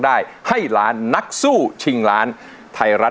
เกิดเสียแฟนไปช่วยไม่ได้นะ